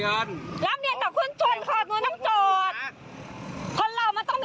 คนเรามันต้องมีน้ำใจกันบ้างสิพี่